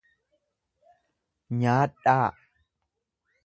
Nyaadhaa.